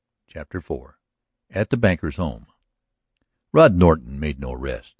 CHAPTER IV AT THE BANKER'S HOME Rod Norton made no arrest.